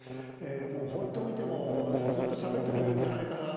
もう放っておいてもずっとしゃべってくれるんじゃないかなと。